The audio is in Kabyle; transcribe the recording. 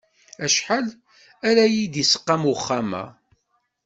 Acḥal ara yi-d-isqam uxxam-a?